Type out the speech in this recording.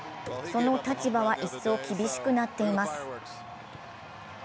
その立場は一層厳しくなっています。